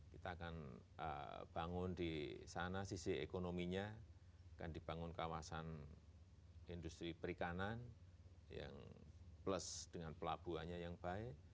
kita akan bangun di sana sisi ekonominya akan dibangun kawasan industri perikanan yang plus dengan pelabuhannya yang baik